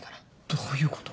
どういうこと？